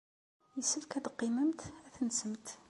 Yessefk ad teqqimemt ad tensemt.